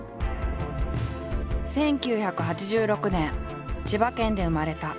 １９８６年千葉県で生まれたＳＫＹ−ＨＩ。